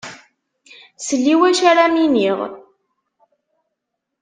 Sell i wacu ara m-iniɣ.